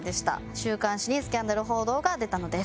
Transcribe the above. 週刊誌にスキャンダル報道が出たのです。